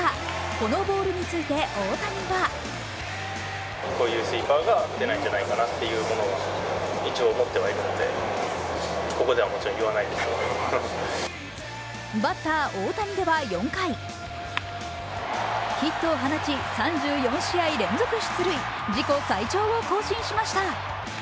このボールについて大谷はバッター・大谷では４回、ヒットを放ち、３４試合連続出塁、自己最長を更新しました。